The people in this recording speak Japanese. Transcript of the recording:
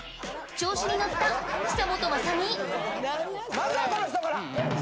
まずはこの人から。